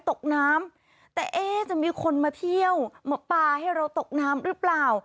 ตกน้ำแต่เอ๊ะจะมีคนมาเที่ยวมาป่าให้เราตกน้ำ